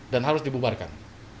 dan harus dibubarkan